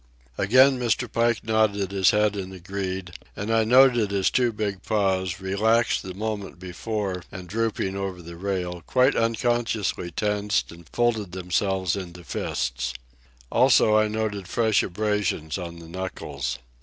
Again Mr. Pike nodded his head and agreed, and I noted his two big paws, relaxed the moment before and drooping over the rail, quite unconsciously tensed and folded themselves into fists. Also, I noted fresh abrasions on the knuckles.